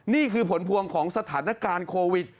นี่คือผลพวงของสถานการณ์โควิด